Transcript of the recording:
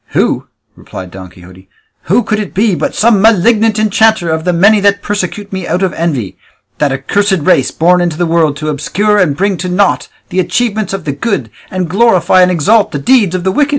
"Who?" replied Don Quixote; "who could it be but some malignant enchanter of the many that persecute me out of envy that accursed race born into the world to obscure and bring to naught the achievements of the good, and glorify and exalt the deeds of the wicked?